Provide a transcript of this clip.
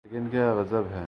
لیکن کیا غضب ہے۔